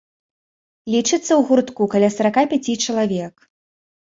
Лічыцца ў гуртку каля сарака пяці чалавек.